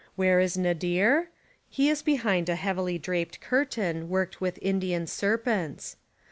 Where is Nadir? He is behind a heavily draped curtain, worked with Indian' serpents.